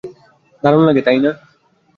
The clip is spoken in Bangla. দারুণ লাগে, তাই না?